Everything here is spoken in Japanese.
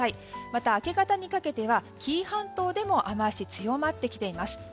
また明け方にかけては紀伊半島でも雨脚が強まってきています。